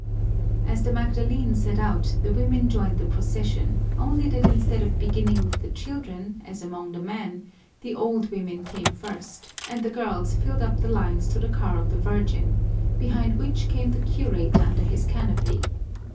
As the Magdalene set out the women joined the procession, only that instead of beginning with the children, as among the men, the old women came first and the girls filled up the lines to the car of the Virgin, behind which came the curate under his canopy.